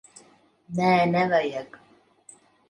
Nē, nevajag.